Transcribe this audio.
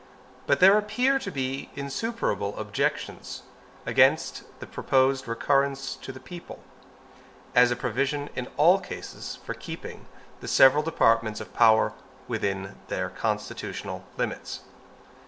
But there appear to be insuperable objections against the proposed recurrence to the people, as a provision in all cases for keeping the several departments of power within their constitutional limits.